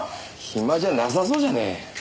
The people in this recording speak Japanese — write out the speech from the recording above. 暇じゃなさそうじゃない。